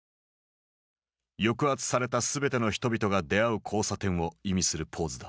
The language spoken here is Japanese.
「抑圧された全ての人々が出会う交差点」を意味するポーズだ。